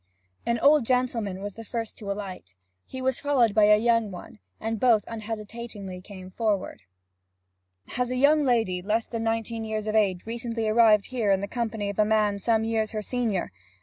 An old gentleman was the first to alight. He was followed by a young one, and both unhesitatingly came forward. 'Has a young lady, less than nineteen years of age, recently arrived here in the company of a man some years her senior?'